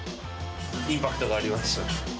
インパクトがありますね。